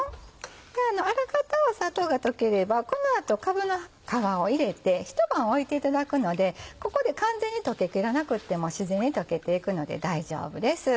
あらかた砂糖が溶ければこの後かぶの皮を入れて一晩置いていただくのでここで完全に溶けきらなくても自然に溶けていくので大丈夫です。